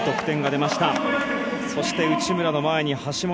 そして、内村の前に橋本。